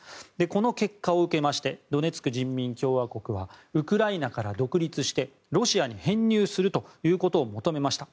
この結果を受けましてドネツク人民共和国はウクライナから独立してロシアに編入するということを求めました。